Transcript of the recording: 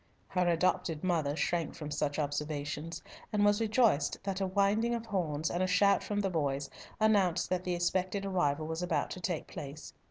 Her adopted mother shrank from such observations, and was rejoiced that a winding of horns, and a shout from the boys, announced that the expected arrival was about to take place.